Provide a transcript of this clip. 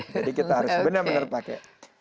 jadi kita harus benar benar pakai